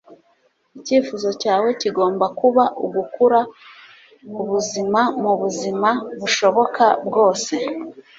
icyifuzo cyawe kigomba kuba ugukura ubuzima mubuzima bushoboka bwose